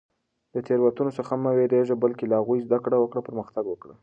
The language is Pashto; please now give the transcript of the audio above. د تېروتنو څخه مه وېرېږه، بلکې له هغوی زده کړه او پرمختګ وکړه.